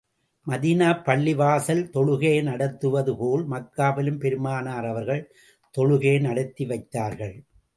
Medina பள்ளிவாசலில் தொழுகையை நடத்துவது போல், மக்காவிலும் பெருமானார் அவர்கள் தொழுகையை நடத்தி வைத்தார்கள்.